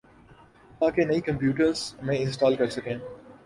تاکہ نئی کمپیوٹرز میں انسٹال کر سکیں